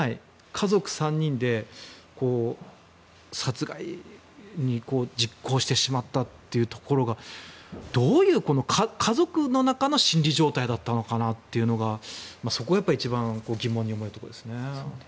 家族３人で殺害に実行してしまったというところがどういう家族の中の心理状態だったのかなというのがそこが一番疑問に思うところですね。